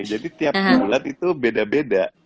jadi tiap bulan itu beda beda